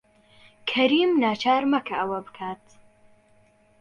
کەریم ناچار مەکە ئەوە بکات.